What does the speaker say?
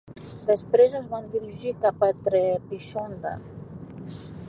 Després es van dirigir cap a Trebisonda.